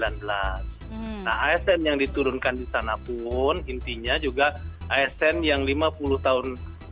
nah asn yang diturunkan di sana pun intinya juga asn yang lima puluh tahun